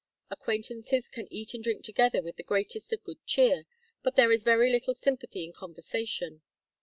Acquaintances can eat and drink together with the greatest of good cheer, but there is very little sympathy in conversation.